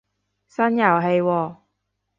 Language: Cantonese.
新遊戲喎